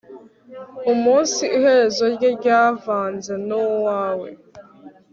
umunsi iherezo rye ryavanze nuwawe